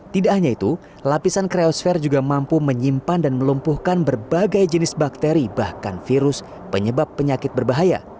tidak hanya itu lapisan kreosfer juga mampu menyimpan dan melumpuhkan berbagai jenis bakteri bahkan virus penyebab penyakit berbahaya